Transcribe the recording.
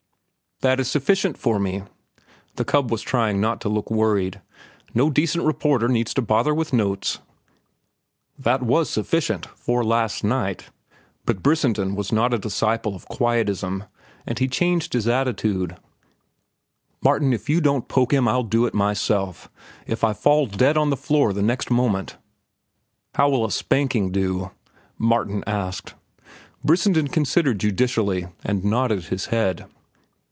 "That is sufficient for me." The cub was trying not to look worried. "No decent reporter needs to bother with notes." "That was sufficient—for last night." But Brissenden was not a disciple of quietism, and he changed his attitude abruptly. "Martin, if you don't poke him, I'll do it myself, if I fall dead on the floor the next moment." "How will a spanking do?" Martin asked. Brissenden considered judicially, and nodded his head.